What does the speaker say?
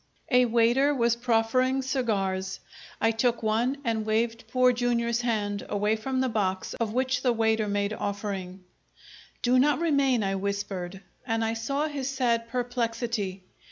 A waiter was proffering cigars. I took one, and waved Poor Jr.'s hand away from the box of which the waiter made offering. "Do not remain!" I whispered, and I saw his sad perplexity.